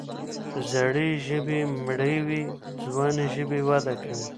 زړې ژبې مړې وي، ځوانې ژبې وده کوي.